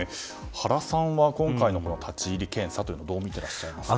原さんは今回の立ち入り検査どうみていらっしゃいますか。